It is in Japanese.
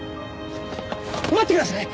待ってください！